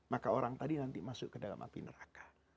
maka orang tadi nanti masuk ke dalam api neraka